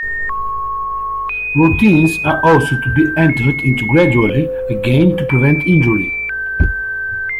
Routines are also to be entered into gradually, again to prevent injury.